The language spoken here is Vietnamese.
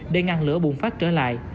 để ngăn lửa bùng phát trở lại